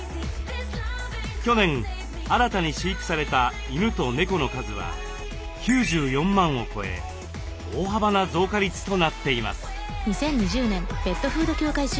去年新たに飼育された犬と猫の数は９４万を超え大幅な増加率となっています。